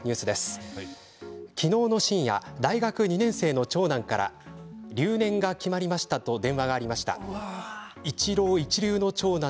昨日の深夜、大学２年生の長男から留年が決まりましたと電話がありました。